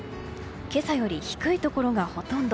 今朝より低いところがほとんど。